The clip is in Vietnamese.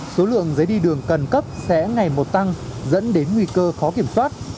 số lượng giấy đi đường cần cấp sẽ ngày một tăng dẫn đến nguy cơ khó kiểm soát